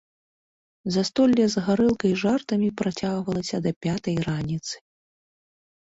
Застолле з гарэлкай і жартамі працягвалася да пятай раніцы.